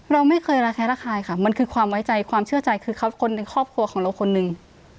เราไม่เคยระแคะระคายค่ะมันคือความไว้ใจความเชื่อใจคือคนในครอบครัวของเราคนหนึ่ง